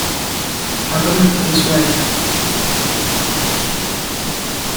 How can we put this right?